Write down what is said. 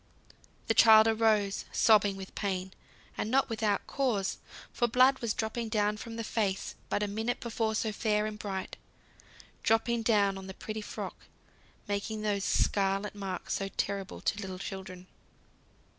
The child arose sobbing with pain; and not without cause, for blood was dropping down from the face, but a minute before so fair and bright dropping down on the pretty frock, making those scarlet marks so terrible to little children.